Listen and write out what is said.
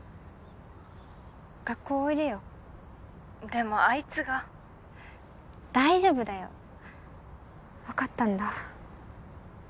学校おいでよ☎でもあいつが大丈夫だよ分かったんだ